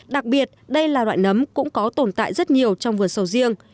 đặc biệt đây là loại nấm cũng có tồn tại rất nhiều trong vườn sầu riêng